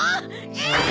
えっ？